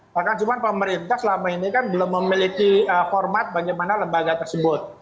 bahkan cuman pemerintah selama ini kan belum memiliki format bagaimana lembaga tersebut